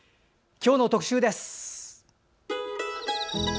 今日の特集です。